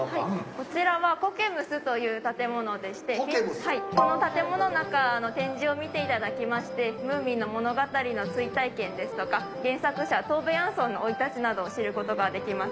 こちらはコケムスという建物でしてこの建物の中の展示を見て頂きまして『ムーミン』の物語の追体験ですとか原作者トーベ・ヤンソンの生い立ちなどを知る事ができます。